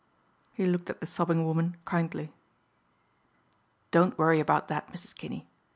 He looked at the sobbing woman kindly. "Don't worry about that, Mrs. Kinney.